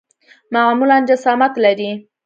معمولاً جسامت لري.